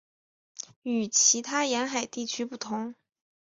与其他沿海地区不同。